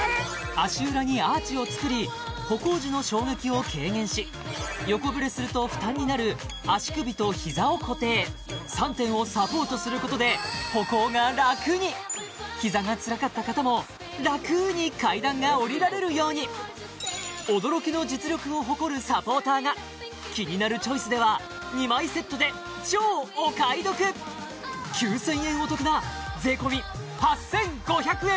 足裏にアーチを作り歩行時の衝撃を軽減し横ブレすると負担になる足首と膝を固定３点をサポートすることで膝がつらかった方もラクに階段が下りられるように驚きの実力を誇るサポーターが「キニナルチョイス」では２枚セットで超お買い得９０００円お得な税込８５００円